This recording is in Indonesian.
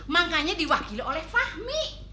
makanya diwakili oleh fahmi